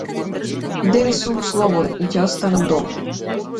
Денес сум слободен и ќе останам дома.